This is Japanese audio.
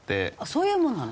そういうものなの？